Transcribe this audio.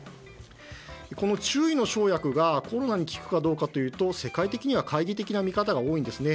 この中医の生薬がコロナに効くかというと世界的には懐疑的な見方が多いんですね。